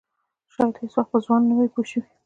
شاید هېڅ وخت به ځوان نه وي پوه شوې!.